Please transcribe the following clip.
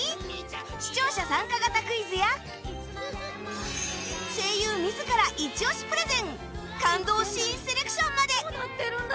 視聴者参加型クイズや声優自らイチ押しプレゼン感動シーンセレクションまで。